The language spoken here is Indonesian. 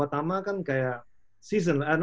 pertama kan kayak season